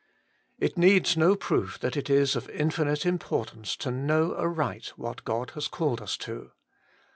It needs no proof that it is of infinite importance to know aright what God has called us to.